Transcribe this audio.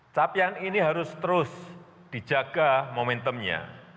capaian ini harus terus dijaga momentumnya